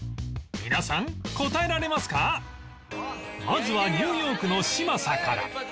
まずはニューヨークの嶋佐から